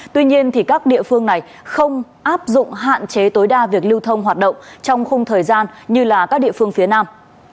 tuy nhiên các địa phương này không áp dụng hạn chế tối đa việc lưu thông hoạt động trong khung thời gian như các địa phương phía nam